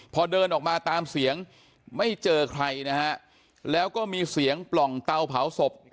พอเดินออกมาตามเสียงไม่เจอใครนะฮะแล้วก็มีเสียงปล่องเตาเผาศพ